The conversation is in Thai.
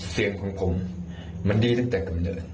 เสียงของผมมันดีตั้งแต่กำเนิด